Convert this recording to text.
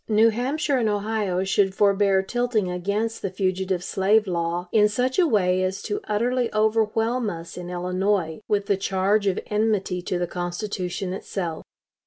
New Hampshire and Ohio should forbear tilting against the fugitive slave law in such way as to utterly overwhelm us in Illinois with the charge of enmity to the Constitution itself.